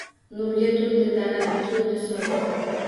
Nurga to’ldi dara, to’ldi soy